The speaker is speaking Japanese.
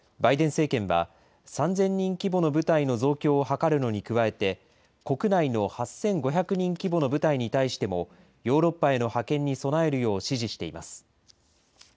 バイデン政権は３０００人規模の部隊の増強を図るのに加えて、国内の８５００人規模の部隊に対しても、ヨーロッパへの派遣に備えるよう指示しています。